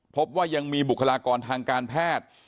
พบว่ายังมีบุคลากรทางการแพทย์